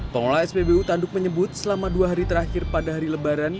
pengelola spbu tanduk menyebut selama dua hari terakhir pada hari lebaran